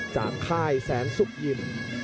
ค่ายแสนสุกยิม